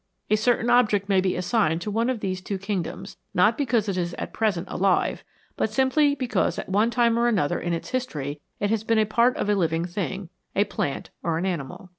A certain object may be assigned to one of these two kingdoms, not because it is at present alive, but simply because at one time or another in its history it has been a part of a living thing, a plant or an animal.